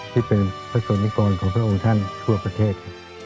ที่เป็นพระศกนิกรของพระองค์ท่านทั่วประเทศ